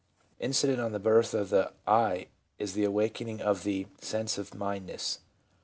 Incident on the birth of the ' I ' is the awakening of ^e sense of mtneness.